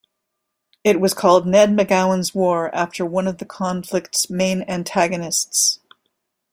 It was called Ned McGowan's War after one of the conflict's main antagonists.